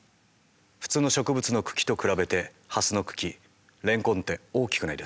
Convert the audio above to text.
普通の植物の茎と比べてハスの茎レンコンって大きくないですか？